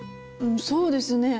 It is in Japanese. そうですねえ